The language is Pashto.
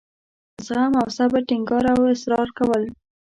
زغم او صبر ټینګار او اصرار کول.